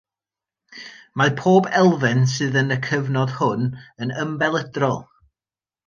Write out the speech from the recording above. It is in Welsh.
Mae pob elfen sydd yn y cyfnod hwn yn ymbelydrol.